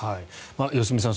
良純さん